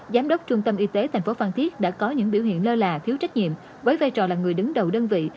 giám đốc trung tâm y tế tp phan thiết đã có những biểu hiện lơ là thiếu trách nhiệm với vai trò là người đứng đầu đơn vị